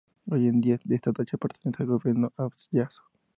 Hoy en día, esta dacha pertenece al gobierno abjaso.